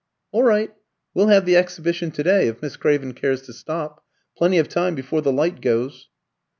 "All right; we'll have the exhibition to day, if Miss Craven cares to stop. Plenty of time before the light goes."